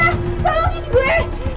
eh tolong di duit